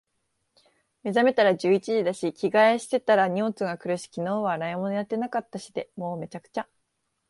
目が覚めたら十一時だし、着替えしてたら荷物が来るし、昨日は洗い物やってなかったしで……もう、滅茶苦茶。